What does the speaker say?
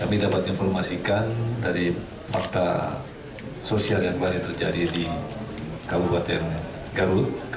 kami dapat informasikan dari fakta sosial yang kemarin terjadi di kabupaten garut